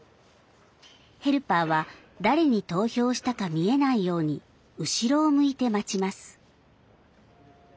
ヘルパーは誰に投票したか見えないように後ろを向いて待ちます。